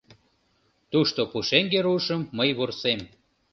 Тушто пушеҥге руышым мый вурсем.